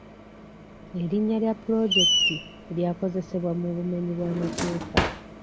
Erinnya lya pulojekiti lya kozesebwa mu bumenyi bw'amateeka.